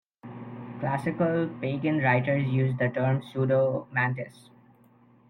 Classical pagan writers use the term "pseudomantis".